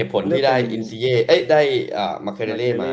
ผลที่ได้อินเซียเอ้ยได้มะเครเลเลมา